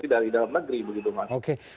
dari dalam negeri